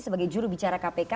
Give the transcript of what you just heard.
sebagai juru bicara kpk